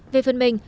về phần mình